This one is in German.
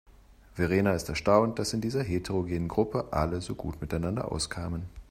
Verena ist erstaunt, dass in dieser heterogenen Gruppe alle so gut miteinander auskamen.